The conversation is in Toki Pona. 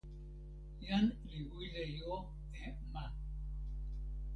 jan li wile jo e ma.